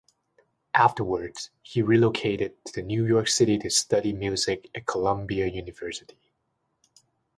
Afterwards, he relocated to the New York City to study music at Columbia University.